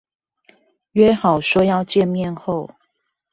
約好說要見面後